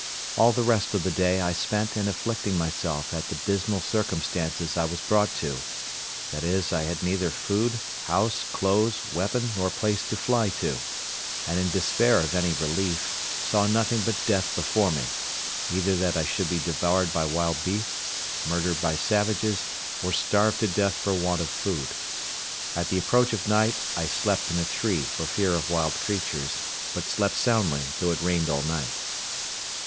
All the rest of the day I spent in afflicting myself at the dismal circumstances I was brought to—viz. I had neither food, house, clothes, weapon, nor place to fly to; and in despair of any relief, saw nothing but death before me—either that I should be devoured by wild beasts, murdered by savages, or starved to death for want of food. At the approach of night I slept in a tree, for fear of wild creatures; but slept soundly, though it rained all night.